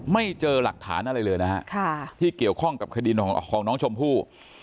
ไม่เจอหลักฐานอะไรเลยนะฮะที่เกี่ยวข้องกับคดีของน้องชมพู่